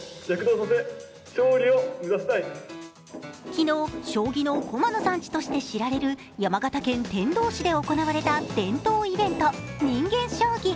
昨日、将棋の駒の産地として知られる山形県天童市で行われた伝統イベント、人間将棋。